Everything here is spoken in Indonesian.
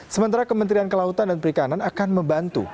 sementara kementerian kelautan dan perikanan akan membantu